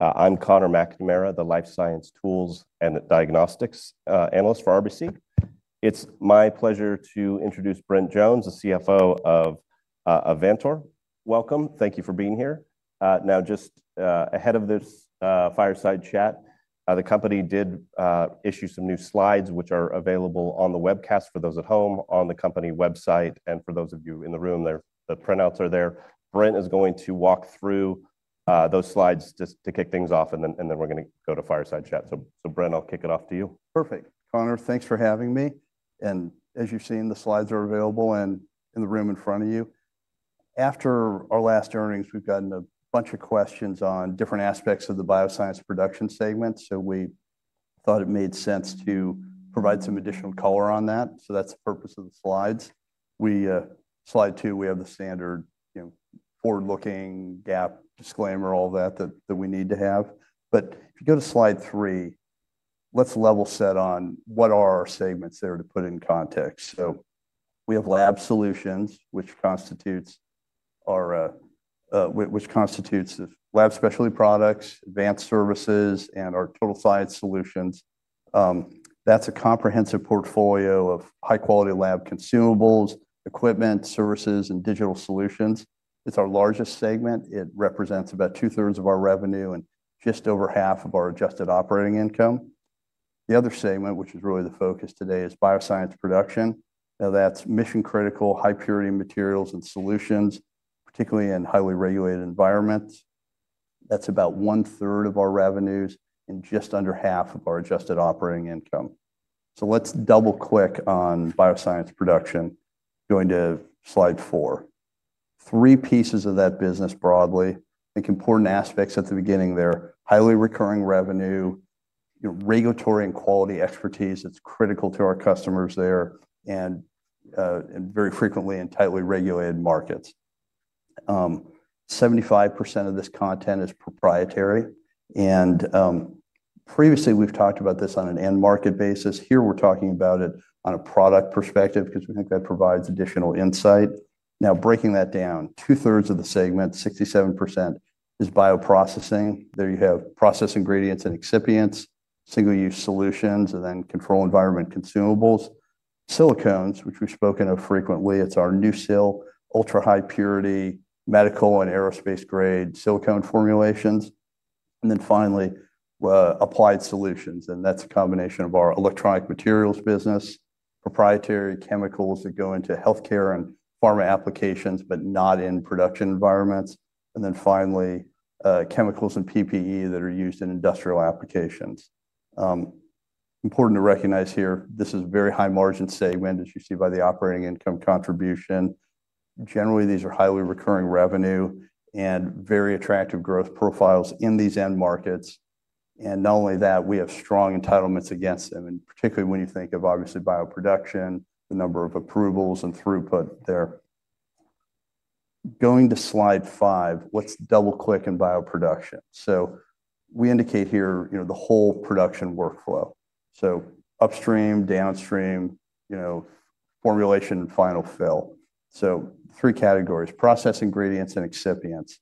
I'm Connor McNamara, the Life Science Tools and Diagnostics Analyst for RBC. It's my pleasure to introduce Brent Jones, the CFO of Avantor. Welcome. Thank you for being here. Now, just ahead of this fireside chat, the company did issue some new slides, which are available on the webcast for those at home, on the company website, and for those of you in the room, the printouts are there. Brent is going to walk through those slides just to kick things off, and then we're going to go to fireside chat. Brent, I'll kick it off to you. Perfect. Connor, thanks for having me. As you've seen, the slides are available and in the room in front of you. After our last earnings, we've gotten a bunch of questions on different aspects of the bioscience production segment, so we thought it made sense to provide some additional color on that. That is the purpose of the slides. Slide two, we have the standard forward-looking GAAP disclaimer, all that that we need to have. If you go to slide three, let's level set on what are our segments there to put in context. We have lab solutions, which constitutes our lab specialty products, advanced services, and our total science solutions. That is a comprehensive portfolio of high-quality lab consumables, equipment, services, and digital solutions. It is our largest segment. It represents about two-thirds of our revenue and just over half of our adjusted operating income. The other segment, which is really the focus today, is bioscience production. Now, that's mission-critical high-purity materials and solutions, particularly in highly regulated environments. That's about one-third of our revenues and just under half of our adjusted operating income. Let's double-click on bioscience production. Going to slide four. Three pieces of that business broadly. I think important aspects at the beginning there, highly recurring revenue, regulatory and quality expertise that's critical to our customers there, and very frequently in tightly regulated markets. 75% of this content is proprietary. Previously, we've talked about this on an end market basis. Here, we're talking about it on a product perspective because we think that provides additional insight. Now, breaking that down, two-thirds of the segment, 67%, is bioprocessing. There you have process ingredients and excipients, single-use solutions, and then control environment consumables. Silicones, which we've spoken of frequently, it's our new sill, ultra-high purity, medical and aerospace-grade silicone formulations. Finally, applied solutions. That's a combination of our electronic materials business, proprietary chemicals that go into healthcare and pharma applications, but not in production environments. Finally, chemicals and PPE that are used in industrial applications. Important to recognize here, this is a very high-margin segment, as you see by the operating income contribution. Generally, these are highly recurring revenue and very attractive growth profiles in these end markets. Not only that, we have strong entitlements against them, and particularly when you think of, obviously, bioproduction, the number of approvals and throughput there. Going to slide five, let's double-click in bioproduction. We indicate here the whole production workflow. Upstream, downstream, formulation, and final fill. Three categories: process ingredients and excipients.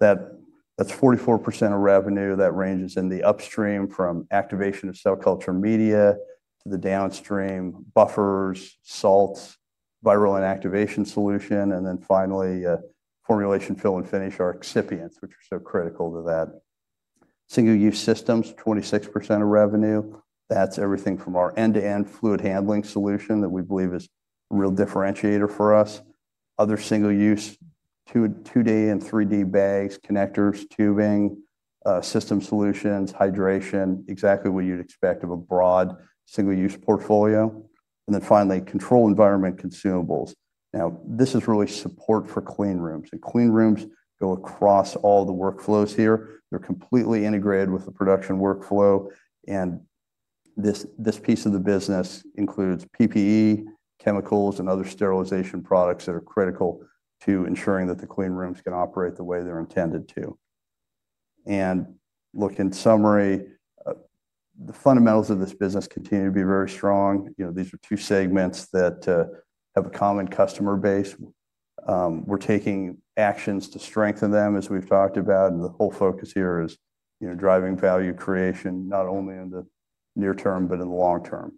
That's 44% of revenue that ranges in the upstream from activation of cell culture media to the downstream buffers, salts, viral inactivation solution, and then finally, formulation, fill, and finish are excipients, which are so critical to that. Single-use systems, 26% of revenue. That's everything from our end-to-end fluid handling solution that we believe is a real differentiator for us. Other single-use, two-day and three-day bags, connectors, tubing, system solutions, hydration, exactly what you'd expect of a broad single-use portfolio. Finally, control environment consumables. Now, this is really support for clean rooms. Clean rooms go across all the workflows here. They're completely integrated with the production workflow. This piece of the business includes PPE, chemicals, and other sterilization products that are critical to ensuring that the clean rooms can operate the way they're intended to. In summary, the fundamentals of this business continue to be very strong. These are two segments that have a common customer base. We are taking actions to strengthen them, as we have talked about. The whole focus here is driving value creation, not only in the near term, but in the long term.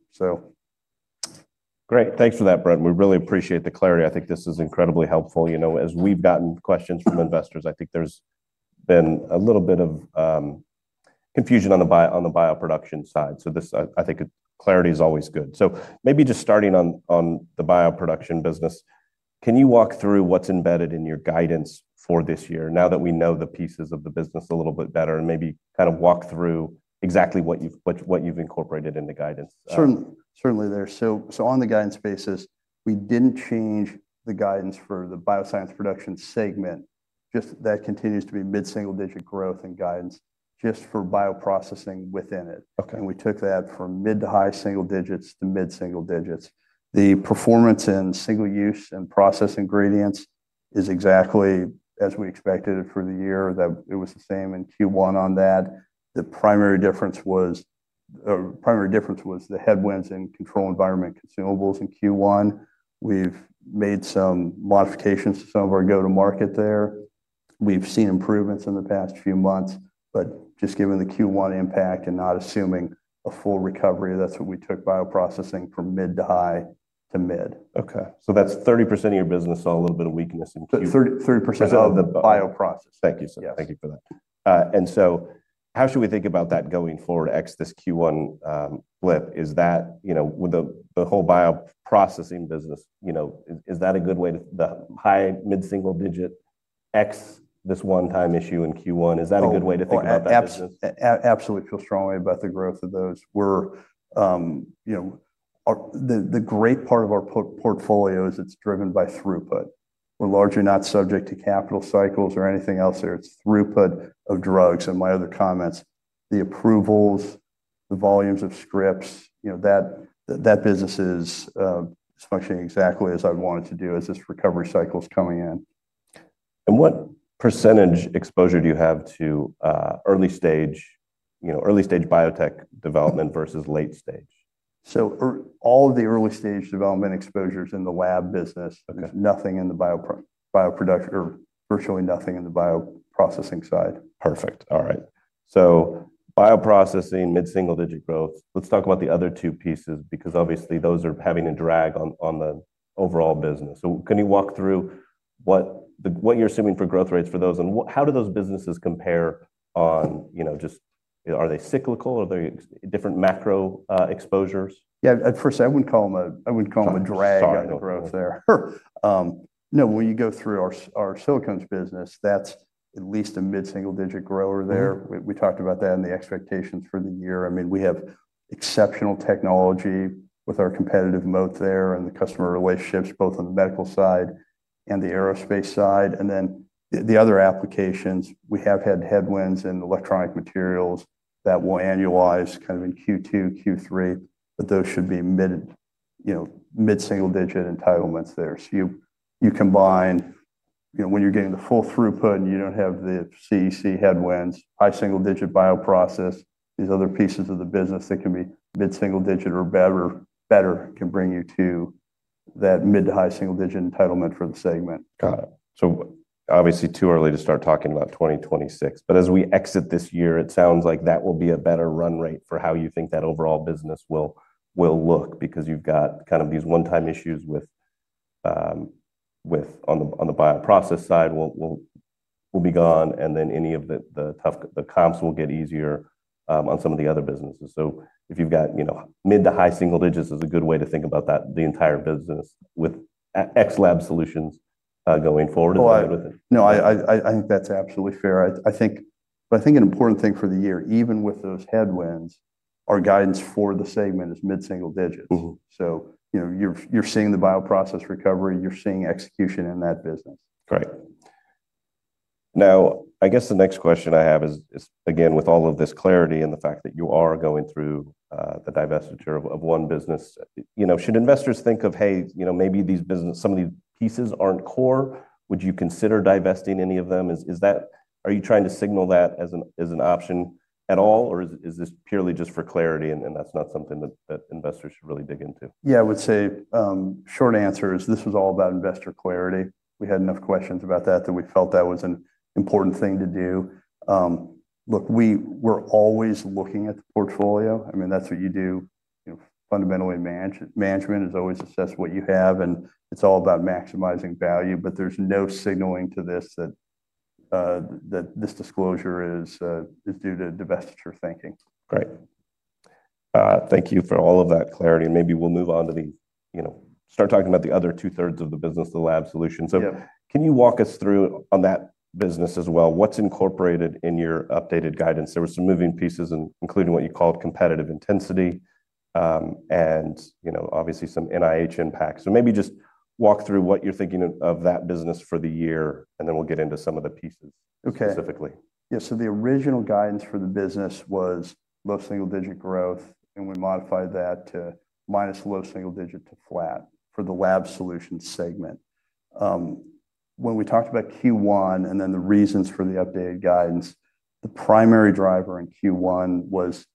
Great. Thanks for that, Brent. We really appreciate the clarity. I think this is incredibly helpful. As we've gotten questions from investors, I think there's been a little bit of confusion on the bioproduction side. I think clarity is always good. Maybe just starting on the bioproduction business, can you walk through what's embedded in your guidance for this year, now that we know the pieces of the business a little bit better, and maybe kind of walk through exactly what you've incorporated in the guidance? Certainly there. On the guidance basis, we did not change the guidance for the bioscience production segment. That continues to be mid-single-digit growth and guidance just for bioprocessing within it. We took that from mid to high single digits to mid-single digits. The performance in single-use and process ingredients is exactly as we expected it for the year. It was the same in Q1 on that. The primary difference was the headwinds in control environment consumables in Q1. We have made some modifications to some of our go-to-market there. We have seen improvements in the past few months, but just given the Q1 impact and not assuming a full recovery, that is what we took bioprocessing from mid to high to mid. Okay. So that's 30% of your business, a little bit of weakness in Q1. 30% of the bioprocess. Thank you. Thank you for that. How should we think about that going forward, X this Q1 flip? Is that the whole bioprocessing business, is that a good way to the high mid-single digit X this one-time issue in Q1? Is that a good way to think about that? Absolutely. Feel strongly about the growth of those. The great part of our portfolio is it's driven by throughput. We're largely not subject to capital cycles or anything else there. It's throughput of drugs. My other comments, the approvals, the volumes of scripts, that business is functioning exactly as I want it to do as this recovery cycle is coming in. What percentage exposure do you have to early-stage biotech development versus late-stage? All of the early-stage development exposures in the lab business, nothing in the bioproduction or virtually nothing in the bioprocessing side. Perfect. All right. So bioprocessing, mid-single-digit growth. Let's talk about the other two pieces because obviously those are having a drag on the overall business. Can you walk through what you're assuming for growth rates for those? How do those businesses compare on just are they cyclical? Are there different macro exposures? Yeah. First, I wouldn't call them a drag on the growth there. No, when you go through our silicones business, that's at least a mid-single-digit grower there. We talked about that in the expectations for the year. I mean, we have exceptional technology with our competitive moat there and the customer relationships, both on the medical side and the aerospace side. The other applications, we have had headwinds in electronic materials that will annualize kind of in Q2, Q3, but those should be mid-single-digit entitlements there. You combine when you're getting the full throughput and you don't have the CEC headwinds, high single-digit bioprocess, these other pieces of the business that can be mid-single-digit or better can bring you to that mid to high single-digit entitlement for the segment. Got it. Obviously too early to start talking about 2026. As we exit this year, it sounds like that will be a better run rate for how you think that overall business will look because you have kind of these one-time issues on the bioprocessing side will be gone, and then any of the comps will get easier on some of the other businesses. If you have mid to high single digits, it is a good way to think about the entire business with ex lab solutions going forward. No, I think that's absolutely fair. I think an important thing for the year, even with those headwinds, our guidance for the segment is mid-single digits. You are seeing the bioprocess recovery. You are seeing execution in that business. Great. Now, I guess the next question I have is, again, with all of this clarity and the fact that you are going through the divestiture of one business, should investors think of, "Hey, maybe some of these pieces aren't core"? Would you consider divesting any of them? Are you trying to signal that as an option at all, or is this purely just for clarity, and that's not something that investors should really dig into? Yeah, I would say short answer is this is all about investor clarity. We had enough questions about that that we felt that was an important thing to do. Look, we were always looking at the portfolio. I mean, that's what you do. Fundamentally, management is always assess what you have, and it's all about maximizing value. There is no signaling to this that this disclosure is due to divestiture thinking. Great. Thank you for all of that clarity. Maybe we'll move on to start talking about the other two-thirds of the business, the lab solutions. Can you walk us through on that business as well? What's incorporated in your updated guidance? There were some moving pieces, including what you called competitive intensity and obviously some NIH impacts. Maybe just walk through what you're thinking of that business for the year, and then we'll get into some of the pieces specifically. Yeah. The original guidance for the business was low single-digit growth, and we modified that to minus low single digit to flat for the lab solutions segment. When we talked about Q1 and the reasons for the updated guidance, the primary driver in Q1 was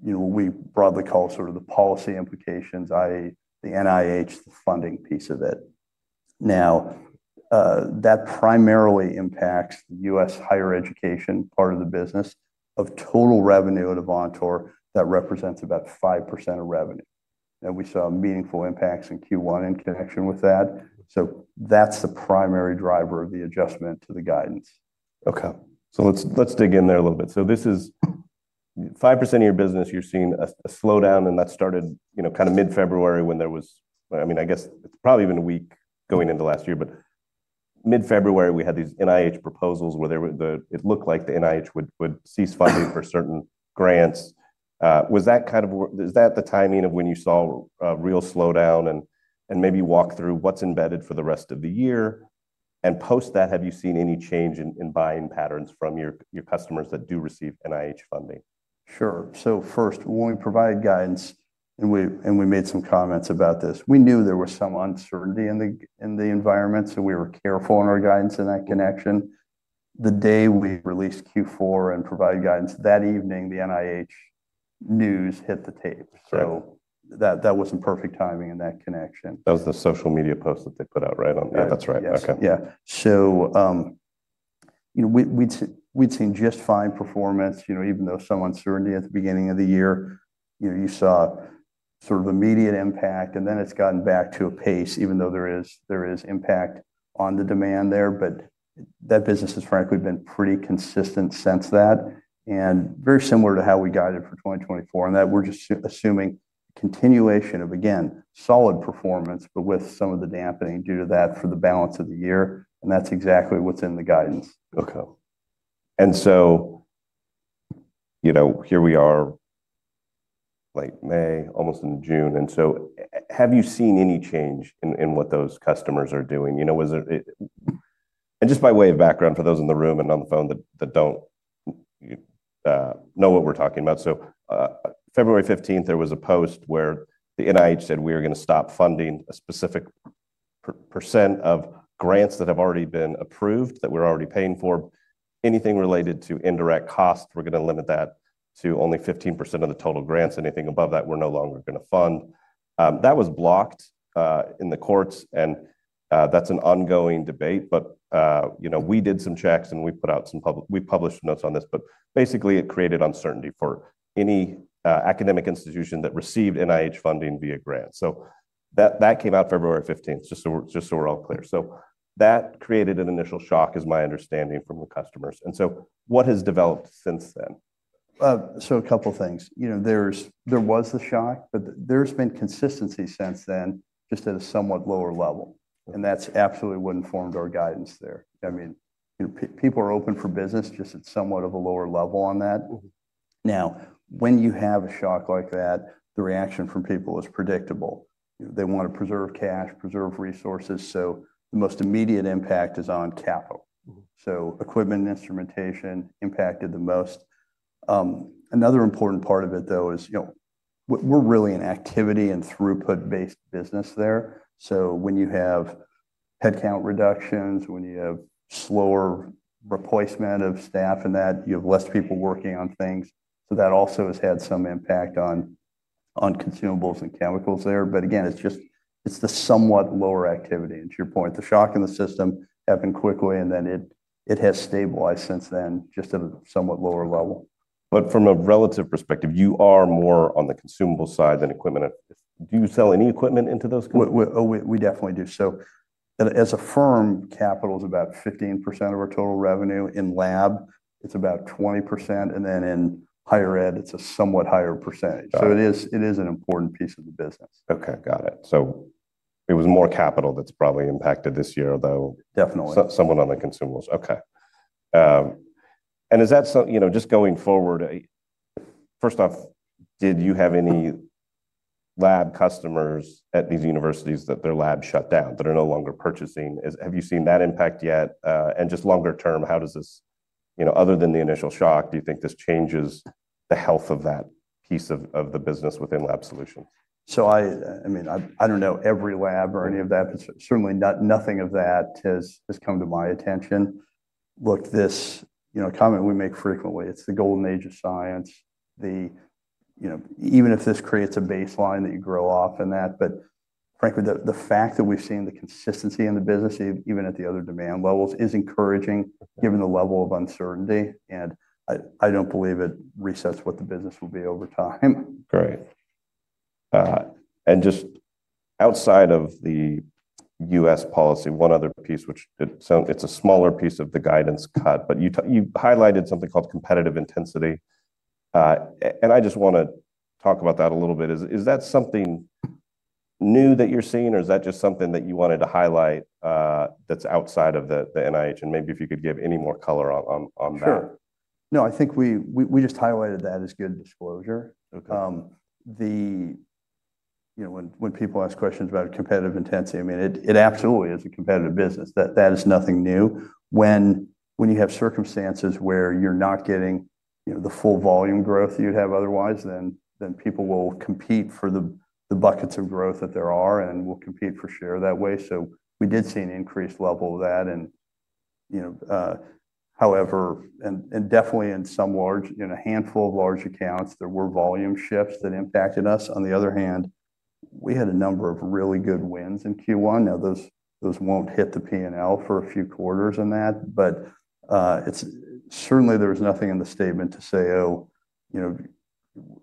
what we broadly call sort of the policy implications, i.e., the NIH, the funding piece of it. That primarily impacts the U.S. higher education part of the business. Of total revenue at Avantor, that represents about 5% of revenue. We saw meaningful impacts in Q1 in connection with that. That is the primary driver of the adjustment to the guidance. Okay. Let's dig in there a little bit. This is 5% of your business, you're seeing a slowdown, and that started kind of mid-February when there was, I mean, I guess it's probably been a week going into last year, but mid-February, we had these NIH proposals where it looked like the NIH would cease funding for certain grants. Was that kind of, is that the timing of when you saw a real slowdown? Maybe walk through what's embedded for the rest of the year. Post that, have you seen any change in buying patterns from your customers that do receive NIH funding? Sure. First, when we provided guidance and we made some comments about this, we knew there was some uncertainty in the environment, so we were careful in our guidance in that connection. The day we released Q4 and provided guidance, that evening, the NIH news hit the tape. That was not perfect timing in that connection. That was the social media post that they put out, right? Yeah. That's right. Okay. Yeah. We had seen just fine performance, even though some uncertainty at the beginning of the year. You saw sort of immediate impact, and then it has gotten back to a pace, even though there is impact on the demand there. That business has, frankly, been pretty consistent since that and very similar to how we guided for 2024 in that we are just assuming continuation of, again, solid performance, but with some of the dampening due to that for the balance of the year. That is exactly what is in the guidance. Okay. Here we are late May, almost in June. Have you seen any change in what those customers are doing? Just by way of background for those in the room and on the phone that do not know what we are talking about, on February 15th, there was a post where the NIH said we are going to stop funding a specific percentage of grants that have already been approved that we are already paying for. Anything related to indirect costs, we are going to limit that to only 15% of the total grants. Anything above that, we are no longer going to fund. That was blocked in the courts, and that is an ongoing debate. We did some checks, and we put out some public, we published notes on this, but basically, it created uncertainty for any academic institution that received NIH funding via grant. That came out February 15th, just so we're all clear. That created an initial shock, is my understanding from the customers. What has developed since then? A couple of things. There was the shock, but there has been consistency since then just at a somewhat lower level. That is absolutely what informed our guidance there. I mean, people are open for business, just at somewhat of a lower level on that. Now, when you have a shock like that, the reaction from people is predictable. They want to preserve cash, preserve resources. The most immediate impact is on capital. Equipment and instrumentation are impacted the most. Another important part of it, though, is we are really an activity and throughput-based business there. When you have headcount reductions, when you have slower replacement of staff and that, you have fewer people working on things. That also has had some impact on consumables and chemicals there. Again, it is just the somewhat lower activity. To your point, the shock in the system happened quickly, and then it has stabilized since then just at a somewhat lower level. From a relative perspective, you are more on the consumable side than equipment. Do you sell any equipment into those companies? Oh, we definitely do. As a firm, capital is about 15% of our total revenue. In lab, it's about 20%. In higher ed, it's a somewhat higher percentage. It is an important piece of the business. Okay. Got it. It was more capital that's probably impacted this year, though. Definitely. Somewhat on the consumables. Okay. Just going forward, first off, did you have any lab customers at these universities that their lab shut down, that are no longer purchasing? Have you seen that impact yet? Just longer term, how does this, other than the initial shock, do you think this changes the health of that piece of the business within lab solutions? I mean, I do not know every lab or any of that, but certainly nothing of that has come to my attention. Look, this comment we make frequently, it is the golden age of science. Even if this creates a baseline that you grow off and that, but frankly, the fact that we have seen the consistency in the business, even at the other demand levels, is encouraging given the level of uncertainty. I do not believe it resets what the business will be over time. Great. Just outside of the U.S. policy, one other piece, which, it's a smaller piece of the guidance cut, but you highlighted something called competitive intensity. I just want to talk about that a little bit. Is that something new that you're seeing, or is that just something that you wanted to highlight that's outside of the NIH? Maybe if you could give any more color on that. Sure. No, I think we just highlighted that as good disclosure. When people ask questions about competitive intensity, I mean, it absolutely is a competitive business. That is nothing new. When you have circumstances where you're not getting the full volume growth you'd have otherwise, then people will compete for the buckets of growth that there are and will compete for share that way. We did see an increased level of that. However, and definitely in a handful of large accounts, there were volume shifts that impacted us. On the other hand, we had a number of really good wins in Q1. Now, those will not hit the P&L for a few quarters in that. Certainly, there was nothing in the statement to say, "Oh,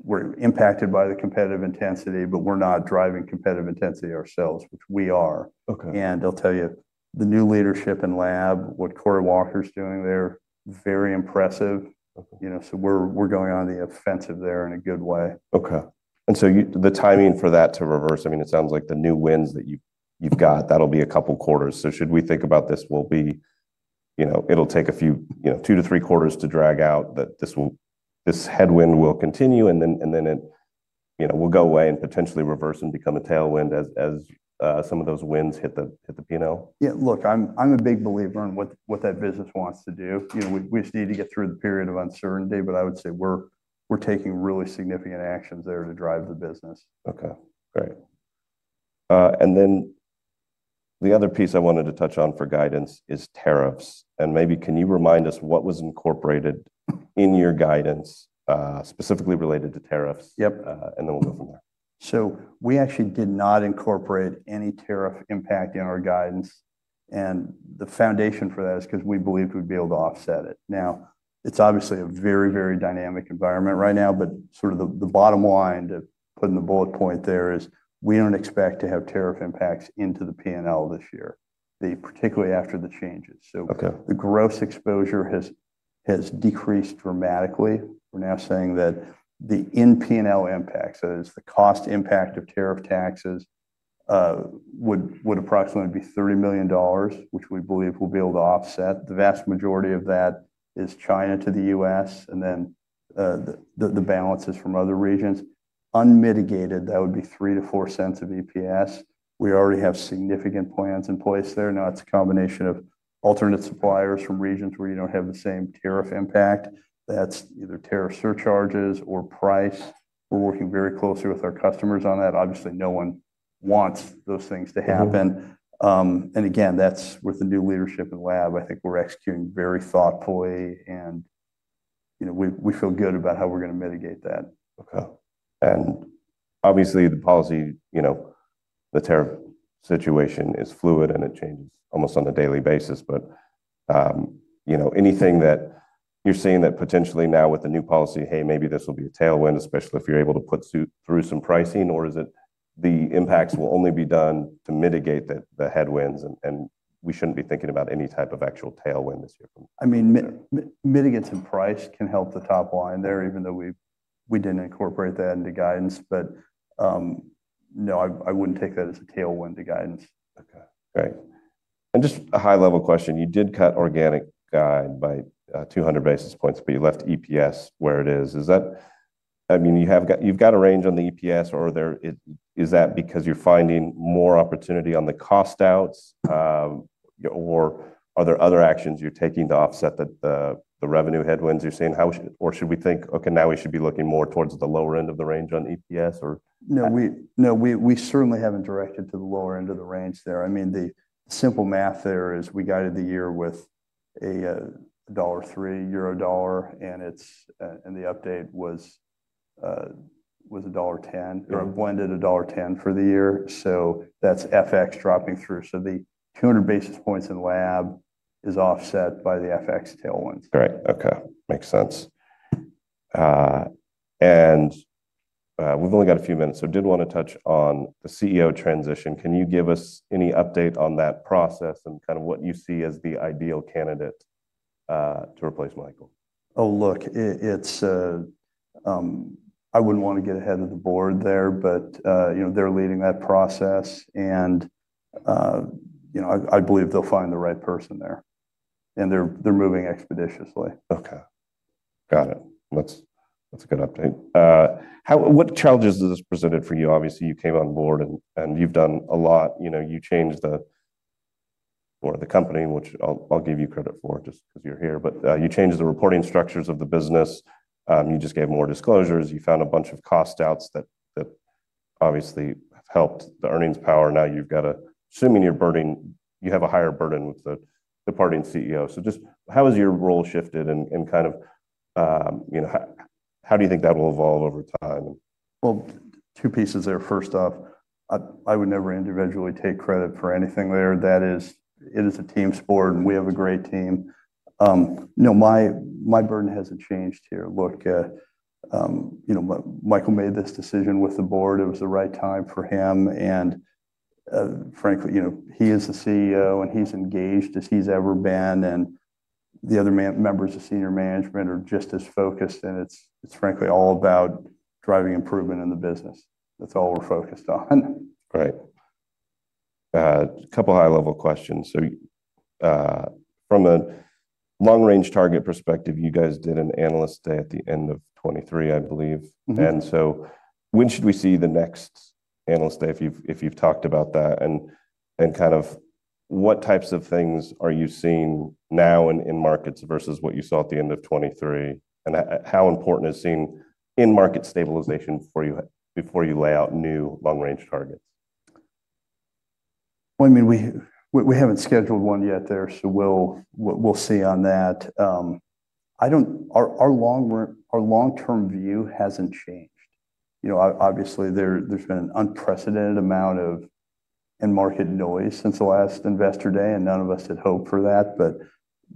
we're impacted by the competitive intensity, but we're not driving competitive intensity ourselves," which we are. I'll tell you, the new leadership in lab, what Corey Walker's doing there, very impressive. We're going on the offensive there in a good way. Okay. And the timing for that to reverse, I mean, it sounds like the new wins that you've got, that'll be a couple of quarters. Should we think about this, it'll take a few, two to three quarters to drag out, that this headwind will continue, and then it will go away and potentially reverse and become a tailwind as some of those wins hit the P&L? Yeah. Look, I'm a big believer in what that business wants to do. We just need to get through the period of uncertainty, but I would say we're taking really significant actions there to drive the business. Okay. Great. The other piece I wanted to touch on for guidance is tariffs. Maybe can you remind us what was incorporated in your guidance specifically related to tariffs? Then we'll go from there. We actually did not incorporate any tariff impact in our guidance. The foundation for that is because we believed we'd be able to offset it. Now, it's obviously a very, very dynamic environment right now, but sort of the bottom line to put in the bullet point there is we don't expect to have tariff impacts into the P&L this year, particularly after the changes. The gross exposure has decreased dramatically. We're now saying that the in-P&L impacts, that is, the cost impact of tariff taxes would approximately be $30 million, which we believe we'll be able to offset. The vast majority of that is China to the U.S. and then the balance is from other regions. Unmitigated, that would be 3%-4% of EPS. We already have significant plans in place there. Now, it's a combination of alternate suppliers from regions where you do not have the same tariff impact. That is either tariff surcharges or price. We are working very closely with our customers on that. Obviously, no one wants those things to happen. Again, that is with the new leadership in lab. I think we are executing very thoughtfully, and we feel good about how we are going to mitigate that. Okay. Obviously, the policy, the tariff situation is fluid, and it changes almost on a daily basis. Anything that you're seeing that potentially now with the new policy, hey, maybe this will be a tailwind, especially if you're able to put through some pricing, or is it the impacts will only be done to mitigate the headwinds, and we shouldn't be thinking about any type of actual tailwind this year? I mean, mitigates in price can help the top line there, even though we did not incorporate that into guidance. No, I would not take that as a tailwind to guidance. Okay. Great. Just a high-level question. You did cut organic guide by 200 basis points, but you left EPS where it is. I mean, you've got a range on the EPS, or is that because you're finding more opportunity on the cost outs, or are there other actions you're taking to offset the revenue headwinds you're seeing? Or should we think, okay, now we should be looking more towards the lower end of the range on EPS, or? No. No, we certainly haven't directed to the lower end of the range there. I mean, the simple math there is we guided the year with a $1.03 euro dollar, and the update was $1.10 or blended $1.10 for the year. So that's FX dropping through. So the 200 basis points in lab is offset by the FX tailwinds. Great. Okay. Makes sense. We've only got a few minutes, so did want to touch on the CEO transition. Can you give us any update on that process and kind of what you see as the ideal candidate to replace Michael? Oh, look, I wouldn't want to get ahead of the board there, but they're leading that process, and I believe they'll find the right person there. They're moving expeditiously. Okay. Got it. That's a good update. What challenges does this present for you? Obviously, you came on board, and you've done a lot. You changed more of the company, which I'll give you credit for just because you're here. You changed the reporting structures of the business. You just gave more disclosures. You found a bunch of cost outs that obviously have helped the earnings power. Now you've got a, assuming you have a higher burden with the departing CEO. Just how has your role shifted and kind of how do you think that will evolve over time? Two pieces there. First off, I would never individually take credit for anything there. That is, it is a team sport, and we have a great team. My burden has not changed here. Look, Michael made this decision with the board. It was the right time for him. Frankly, he is the CEO, and he is as engaged as he has ever been. The other members of senior management are just as focused. It is frankly all about driving improvement in the business. That is all we are focused on. Right. A couple of high-level questions. From a long-range target perspective, you guys did an analyst day at the end of 2023, I believe. When should we see the next analyst day if you have talked about that? What types of things are you seeing now in markets versus what you saw at the end of 2023? How important is seeing in-market stabilization before you lay out new long-range targets? I mean, we haven't scheduled one yet there, so we'll see on that. Our long-term view hasn't changed. Obviously, there's been an unprecedented amount of in-market noise since the last investor day, and none of us had hoped for that.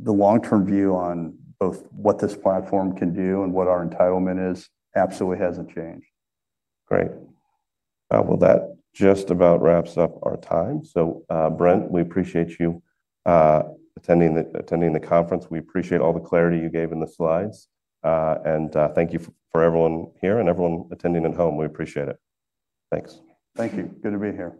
The long-term view on both what this platform can do and what our entitlement is absolutely hasn't changed. Great. That just about wraps up our time. Brent, we appreciate you attending the conference. We appreciate all the clarity you gave in the slides. Thank you for everyone here and everyone attending at home. We appreciate it. Thanks. Thank you. Good to be here.